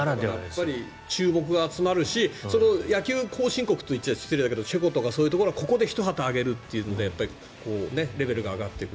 やっぱり注目が集まるし野球後進国と言っては失礼だけど、チェコとかはここで一旗揚げるというレベルが上がっていく。